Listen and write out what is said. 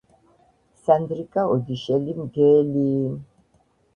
სანდრიკა ოდიშელი მგელიიი